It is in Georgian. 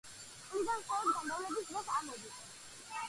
წყლიდან მხოლოდ გამრავლების დროს ამოდის.